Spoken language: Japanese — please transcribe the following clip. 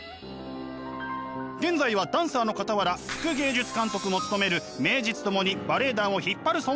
現在はダンサーのかたわら副芸術監督も務める名実ともにバレエ団を引っ張る存在。